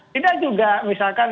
tidak juga misalkan